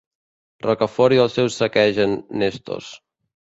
Rocafort i els seus saquejaren Nestos.